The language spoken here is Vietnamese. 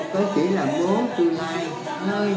cô chia sẻ một chút về gia đình của mình